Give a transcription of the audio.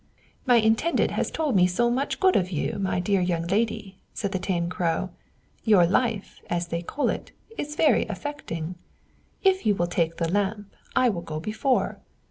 "My intended has told me so much good of you, my dear young lady," said the tame Crow. "Your Life, as they call it, is very affecting. If you will take the lamp, I will go before.